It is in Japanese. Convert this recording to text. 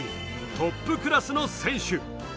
トップクラスの選手。